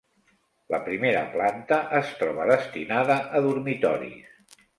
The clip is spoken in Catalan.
La primera planta es troba destinada a dormitoris.